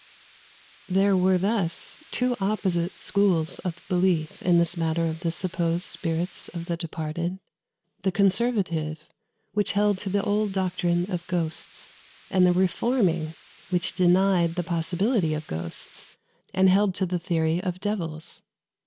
[Footnote 1: Parker Correspondence, 222. Parker Society.] 57. There were thus two opposite schools of belief in this matter of the supposed spirits of the departed: the conservative, which held to the old doctrine of ghosts; and the reforming, which denied the possibility of ghosts, and held to the theory of devils.